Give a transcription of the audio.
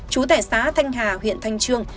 chú tẻ xá thanh hà huyện thanh trương